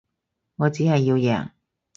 我只係要贏